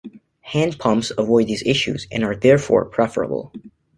Hand pumps avoid these issues and are therefore preferable.